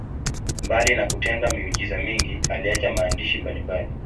Mbali na kutenda miujiza mingi, aliacha maandishi mbalimbali.